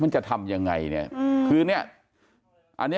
มันจะทำอย่างไร